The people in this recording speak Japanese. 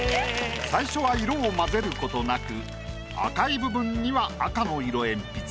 最初は色を混ぜることなく赤い部分には赤の色鉛筆。